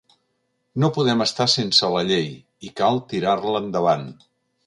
No podem estar sense la llei, i cal tirar-la endavant.